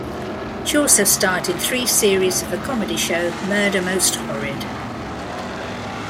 She also starred in three series of the comedy show "Murder Most Horrid".